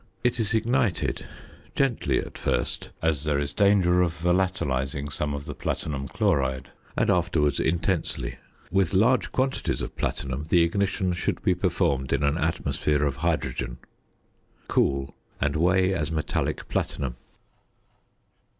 It is ignited, gently at first, as there is danger of volatilising some of the platinum chloride, and afterwards intensely. With large quantities of platinum the ignition should be performed in an atmosphere of hydrogen. Cool and weigh as metallic platinum.